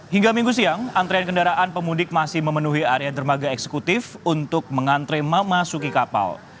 hingga minggu siang antrean kendaraan pemudik masih memenuhi area dermaga eksekutif untuk mengantre memasuki kapal